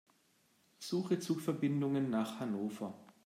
Suche Zugverbindungen nach Hannover.